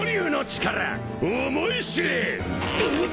うっ！